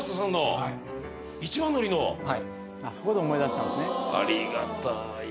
そこで思い出したんですね